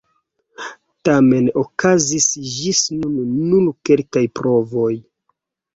Tamen okazis ĝis nun nur kelkaj provoj.